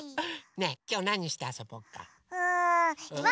ねえきょうなにしてあそぼうか？